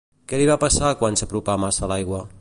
Què li va passar quan s'apropà massa a l'aigua?